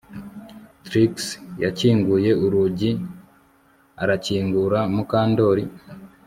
Trix yakinguye urugi arakingura Mukandoli